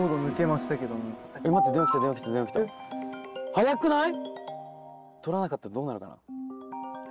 早くない？